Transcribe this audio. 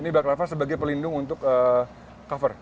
ini baklava sebagai pelindung untuk cover